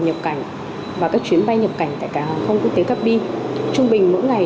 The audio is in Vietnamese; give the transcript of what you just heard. nhập cảnh và các chuyến bay nhập cảnh tại cảng hàng không quốc tế cát bi trung bình mỗi ngày